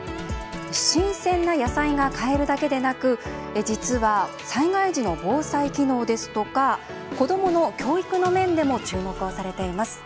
新鮮な野菜が買えるだけでなく実は災害時の防災機能ですとか子どもの教育の面でも注目をされています。